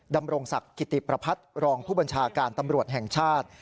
ดำรงศักดิ์กิติประพัฒน์รองผู้บัญชาการตำรวจแห่งชาติ